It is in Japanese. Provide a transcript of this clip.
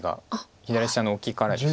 左下のオキからです。